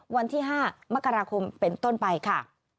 วันที่๕มกราคมเป็นต้นไปค่ะ